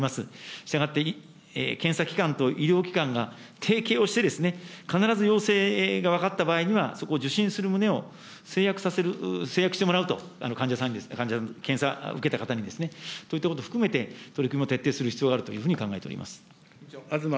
従って、検査機関と医療機関が提携をして必ず陽性が分かった場合には、そこを受診する旨を誓約させる、誓約してもらうと、患者さんにですね、検査受けた方にですね、といったことを含めて、取り組みを徹底する必要があるというふうに考えております。